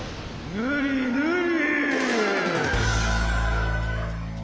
ぬりぬり。